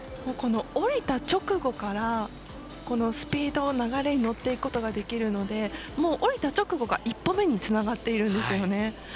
降りた直後からスピード、流れに乗っていくことができるので降りた直後が１歩目につながってるんですよね。